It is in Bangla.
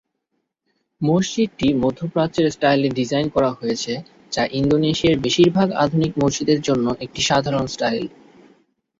মসজিদটি মধ্য প্রাচ্যের স্টাইলে ডিজাইন করা হয়েছে, যা ইন্দোনেশিয়ার বেশিরভাগ আধুনিক মসজিদের জন্য একটি সাধারণ স্টাইল।